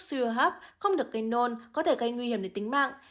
sự hấp không được gây nôn có thể gây nguy hiểm đến tính mạng